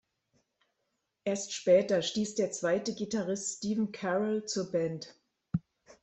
Erst später stieß der zweite Gitarrist Stephen Carroll zur Band.